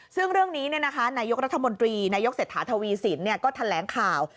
ซึ่งเรื่องนี้นายกรัฐมนตรีนายกเศรษฐาทวีสินก็แถลงข่าว